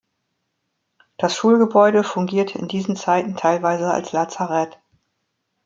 Das Schulgebäude fungierte in diesen Zeiten teilweise als Lazarett.